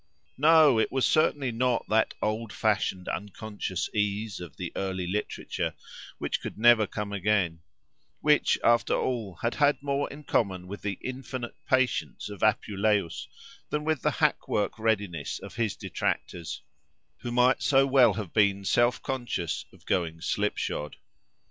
No! it was certainly not that old fashioned, unconscious ease of the early literature, which could never come again; which, after all, had had more in common with the "infinite patience" of Apuleius than with the hack work readiness of his detractors, who might so well have been "self conscious" of going slip shod.